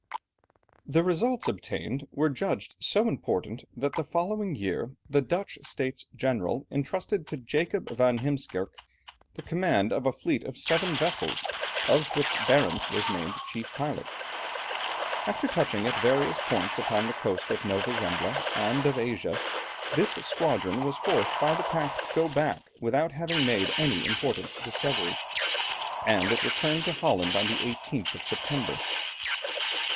The results obtained were judged so important, that the following year, the Dutch States General entrusted to Jacob van Heemskerke, the command of a fleet of seven vessels, of which Barentz was named chief pilot. After touching at various points upon the coasts of Nova Zembla and of Asia, this squadron was forced by the pack to go back without having made any important discovery, and it returned to Holland on the 18th of September.